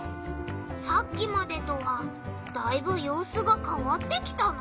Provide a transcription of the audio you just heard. さっきまでとはだいぶようすがかわってきたな。